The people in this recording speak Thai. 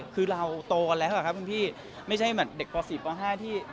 คือเราโตกันแล้วกันแหละครับคุณพี่ไม่ใช่เด็กป่าวสี่ป่าวห้าที่